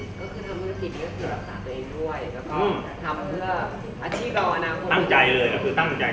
ก็คือทำเมื่อกินเนื้อเกือบต่างตัวเองด้วยแล้วก็ทำเพื่ออาชีพกับอนาคต